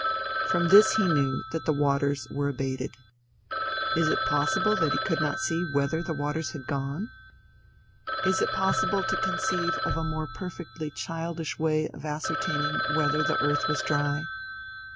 From this he knew that the waters were abated. Is it possible that he could not see whether the waters had gone? Is it possible to conceive of a more perfectly childish way of ascertaining whether the earth was dry?